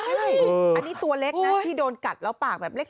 ใช่อันนี้ตัวเล็กนะที่โดนกัดแล้วปากแบบเล็ก